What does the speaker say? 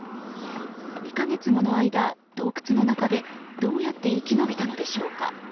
２か月もの間、洞窟の中でどうやって生き延びたのでしょうか。